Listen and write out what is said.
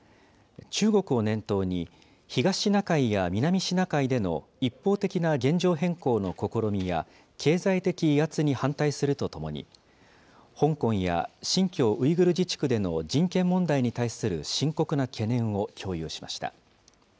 中国を念頭に、東シナ海や南シナ海での一方的な現状変更の試みや経済的威圧に反対するとともに、香港や新疆ウイグル自治区での人権問題に対する深刻な懸念を共有しました。